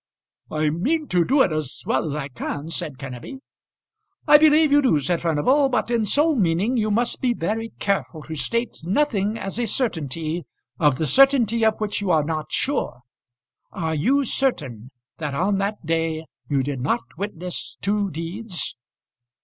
"I mean to do it as well as I can," said Kenneby. "I believe you do," said Furnival; "but in so meaning you must be very careful to state nothing as a certainty, of the certainty of which you are not sure. Are you certain that on that day you did not witness two deeds?"